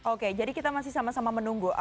oke jadi kita masih sama sama menunggu